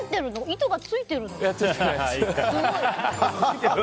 糸がついてるの？